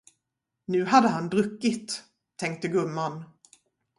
Nu hade han druckit, tänkte gumman.